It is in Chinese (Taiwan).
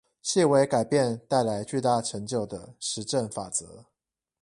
細微改變帶來巨大成就的實證法則